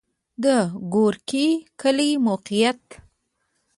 د ګورکي کلی موقعیت